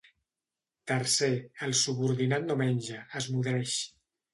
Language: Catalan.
Tercer: el subordinat no menja, es nodreix.